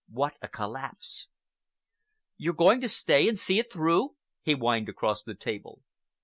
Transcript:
What a collapse! "You're going to stay and see it through?" he whined across the table.